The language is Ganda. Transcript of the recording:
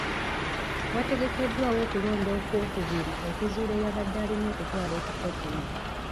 Wategekeddwawo okulonda okwokubiri okuzuula eyabadde alina okutwala ekifo kino.